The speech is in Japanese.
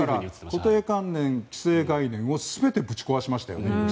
固定観念、既成概念をすべてぶち壊しましたよね。